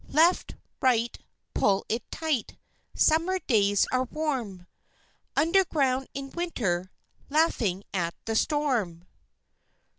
Left, right, pull it tight; Summer days are warm; Underground in Winter, Laughing at the storm!